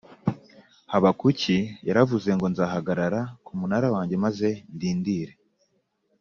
habakuki yaravuze ngo nzahagarara kumunara wanjye maze ndindire